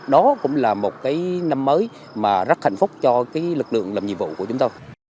đó cũng là một cái năm mới mà rất hạnh phúc cho cái lực lượng làm nhiệm vụ của chúng tôi